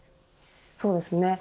そうですね。